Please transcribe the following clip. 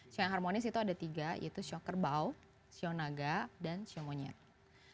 sio yang harmonis itu ada tiga yaitu sio kerbau sio naga dan sio monyet